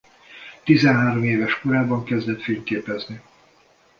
Tizenhárom éves korában kezdett fényképezni.